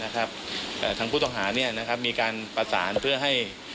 ทางผู้ต้องหามีการประสานเพื่อให้